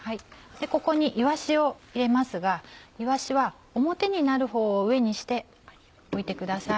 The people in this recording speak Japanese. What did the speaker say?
ここにいわしを入れますがいわしは表になるほうを上にして置いてください。